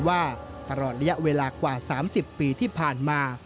ว่าตลอดระยะเวลากว่า๓๐ปีที่ผ่านมา